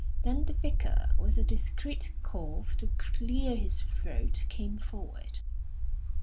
Then the Vicar, with a discreet cough to clear his throat, came forward.